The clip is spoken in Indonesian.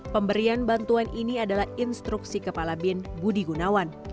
pemberian bantuan ini adalah instruksi kepala bin budi gunawan